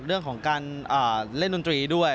เรื่องของการเล่นดนตรีด้วย